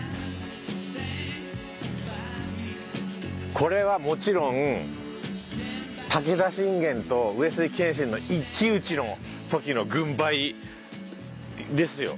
これはもちろん武田信玄と上杉謙信の一騎打ちの時の軍配ですよ。